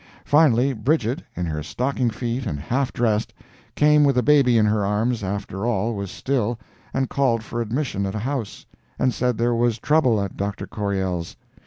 Finally, Bridget, in her stocking feet and half dressed, came with the baby in her arms, after all was still, and called for admission at a house, and said there was trouble at Dr. Corriell's.